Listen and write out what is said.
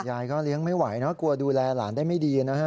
หุนยายอะไรก็อยากเลี้ยงไม่ไหวกลัวดูแลหลานได้ไม่ดีนะฮะ